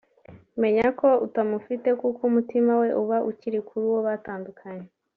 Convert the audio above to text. menya ko utamufite kuko umutima we uba ukiri kuri uwo batandukanye